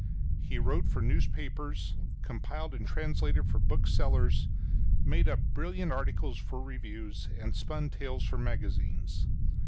He wrote for newspapers, compiled and translated for booksellers, made up brilliant articles for reviews, and spun tales for magazines.